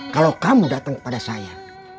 kalau kamu datang kepada saya